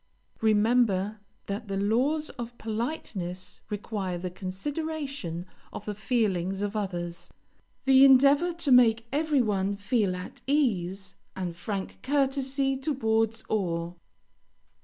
Remember that the laws of politeness require the consideration of the feelings of others; the endeavor to make every one feel at ease; and frank courtesy towards all.